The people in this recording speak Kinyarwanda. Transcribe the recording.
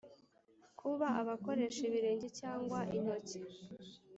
kuba bakoresha ibirenge cyangwa intoki.